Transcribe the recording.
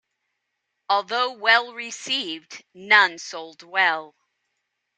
Although well received, none sold well.